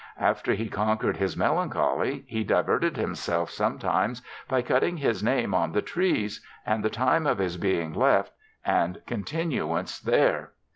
After he conquer'd his melancholy he diverted himself sometimes by cutting his name on the trees, and the time of his being left and con tinuance there.